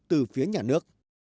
từ phía nhà nước